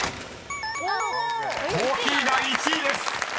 ［「コーヒー」が１位です。